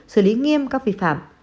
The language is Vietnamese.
xử lý nghiêm các vi phạm